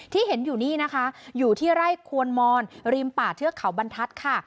ที่เห็นอยู่นี่นะคะอยู่ที่ไร่ควนมอนริมป่าเทือกเขาบรรทัศน์ค่ะ